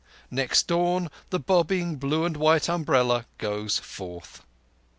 Next dawn the bobbing blue and white umbrella goes forward.